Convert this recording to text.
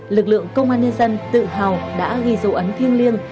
lực lượng công an nhân dân tự hào đã ghi dấu ấn thiêng liêng